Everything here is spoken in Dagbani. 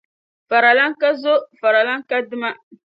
Faralana ka zo, faralana ka dima.